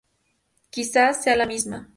Quizás sea la misma.